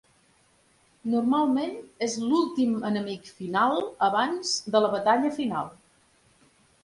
Normalment és l'últim enemic final abans de la batalla final.